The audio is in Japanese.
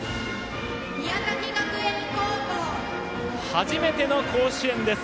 初めての甲子園です。